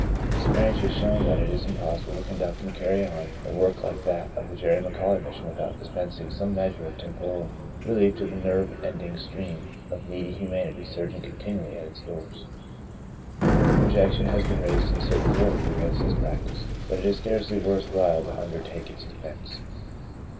Experience has shown that it is impossible to conduct and carry on a work like that of the McAuley Mission without dispensing some measure of temporal relief to the never ending stream of needy humanity surging continually at its doors. Objection has been raised in certain quarters against this prac tice, but it is scarcely worth while to under take its defense.